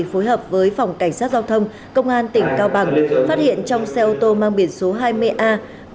phối hợp với phòng cảnh sát giao thông công an tỉnh cao bằng phát hiện trong xe ô tô mang biển số hai mươi a